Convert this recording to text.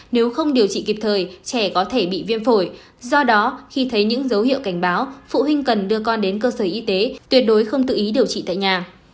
nếu không điều trị kịp thời trẻ có thể bị viêm phổi do đó khi thấy những dấu hiệu cảnh báo phụ huynh cần đưa con đến cơ sở y tế tuyệt đối không tự ý điều trị tại nhà